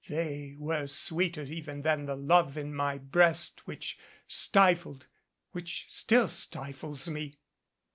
They were sweeter even than the love in my breast which stifled which still stifles me."